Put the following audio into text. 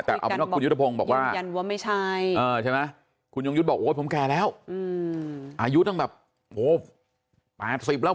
แต่คุณยุทธพงศ์บอกว่ายืมยันว่าไม่ใช่ใช่ไหมคุณยุทธพงศ์บอกว่าผมแก่แล้วอายุตั้งแบบ๘๐แล้ว